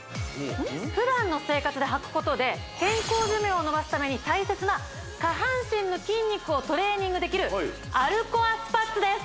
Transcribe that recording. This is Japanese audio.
普段の生活ではくことで健康寿命を延ばすために大切な下半身の筋肉をトレーニングできる歩コアスパッツです